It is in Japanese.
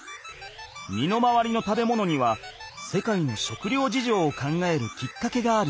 身の回りの食べ物には世界の食料事情を考えるきっかけがある。